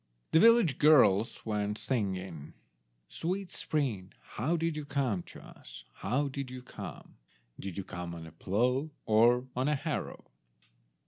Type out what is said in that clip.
The village girls went singing— "Sweet spring, how did you come to us? How did you come? Did you come on a plough, or on a harrow?"